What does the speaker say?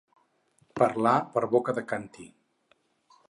Parlar per boca de càntir.